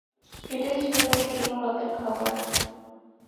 এটাই ছিল তাঁর দিন ও রাতের খাবার।